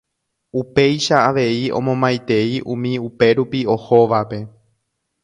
upéicha avei omomaitei umi upérupi ohóvape